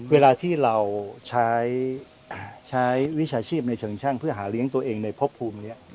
เวลาที่เราใช้วิชาชีพในเชิงช่างเพื่อหาเลี้ยงตัวเองในพบภูมินี้